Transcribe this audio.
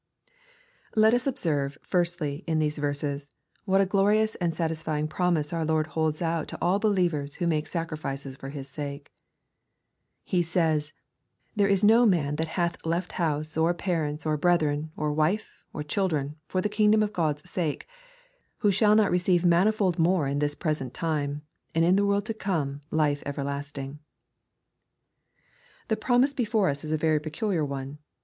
Let us observe, firstly, in these verses, what a glorious and satisfying promise our Lord holds out to all believers who make sacrifices for His sake. He says, " There is no man that hath left house, or parents, or brethren, or wife, or children, for the kingdom of God's sake, who shall not receive manifold more in this present time, and in the world to come life everlasting.'' The promise before us is a very peculiar one.